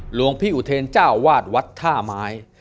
หลวงพี่อุเทรนเจ้าวาดวัดท่าไม้